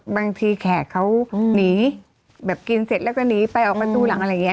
แขกเขาหนีแบบกินเสร็จแล้วก็หนีไปออกประตูหลังอะไรอย่างนี้